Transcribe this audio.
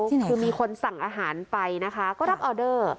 คือมีคนสั่งอาหารไปนะคะก็รับออเดอร์